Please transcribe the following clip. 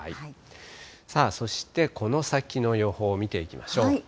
さあそして、この先の予報を見ていきましょう。